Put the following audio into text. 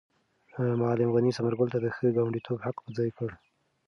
معلم غني ثمر ګل ته د ښه ګاونډیتوب حق په ځای کړ.